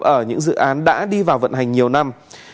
ở những dự án đã đi vào vận hành nhiều năm